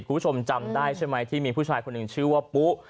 คุณผู้ชมจำได้ใช่ไหมที่มีผู้ชายคนหนึ่งชื่อว่าปุ๊